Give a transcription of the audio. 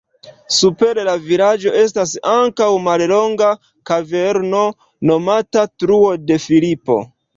Super la vilaĝo estas ankaŭ mallonga kaverno nomata Truo de Filipo.